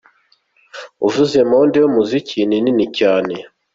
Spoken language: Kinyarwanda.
Uvuze monde y’umuziki ni nini cyane.